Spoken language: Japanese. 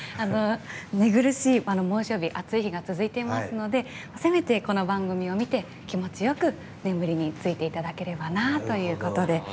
寝苦しい、猛暑日暑い日が続いていますのでせめて、この番組を見て気持ちよく、眠りについていただければなということで。